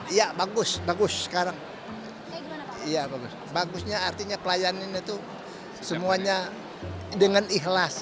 iya bagus bagus sekarang iya bagus bagusnya artinya kliennya itu semuanya dengan ikhlas